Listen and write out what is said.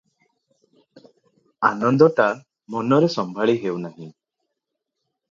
ଆନନ୍ଦଟା ମନରେ ସମ୍ଭାଳି ହେଉ ନାହିଁ ।